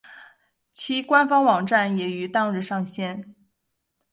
其官方网站也于当日上线。